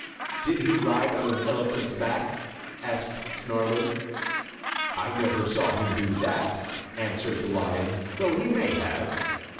"Did he ride on an elephant's back?" asked Snarlie. "I never saw him do that," answered the lion, "though he may have.